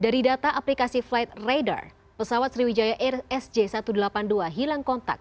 dari data aplikasi flight radar pesawat sriwijaya air sj satu ratus delapan puluh dua hilang kontak